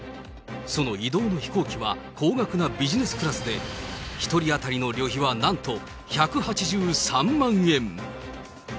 その移動の飛行機は高額なビジネスクラスで、１人当たりの旅費はなんと１８３万円。